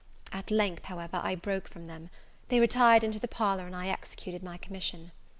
At length, however, I broke from them; they retired into the parlour, and I executed my commission.